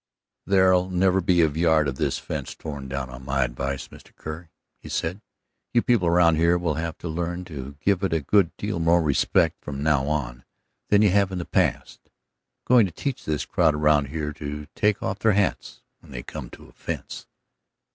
"There'll never be a yard of this fence torn down on my advice, Mr. Kerr," he said. "You people around here will have to learn to give it a good deal more respect from now on than you have in the past. I'm going to teach this crowd around here to take off their hats when they come to a fence."